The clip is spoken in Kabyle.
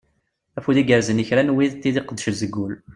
Afud igerzen i kra n wid d tid iqeddcen seg ul.